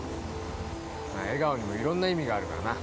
まあ笑顔にもいろんな意味があるからな。